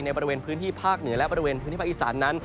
บริเวณพื้นที่ภาคเหนือและบริเวณพื้นที่ภาคอีสานนั้น